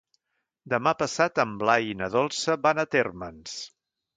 Demà passat en Blai i na Dolça van a Térmens.